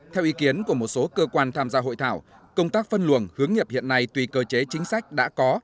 theo ý kiến của một số cơ quan tham gia hội thảo công tác phân luồng hướng nghiệp hiện nay tùy cơ chế chính sách đã có